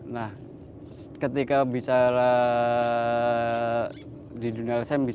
nah ketika bicara di dunia lsm